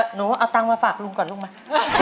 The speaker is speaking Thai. หนูเอาตังมาฝากลูกก่อนลูกมา